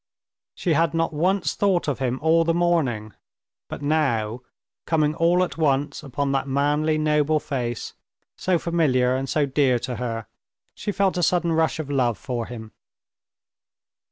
She had not once thought of him all the morning. But now, coming all at once upon that manly, noble face, so familiar and so dear to her, she felt a sudden rush of love for him.